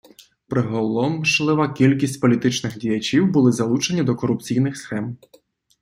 Приголомшлива кількість політичних діячів були залучені до корупційних схем.